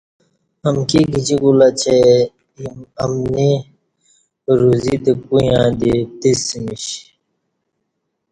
امکی گجی کولہ چہ امنی روزی تہ کویاں دی پتسمیش